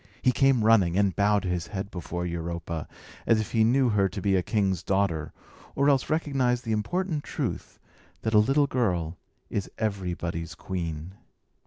He came running, and bowed his head before Europa, as if he knew her to be a king's daughter, or else recognised the important truth that a little girl is everybody's queen.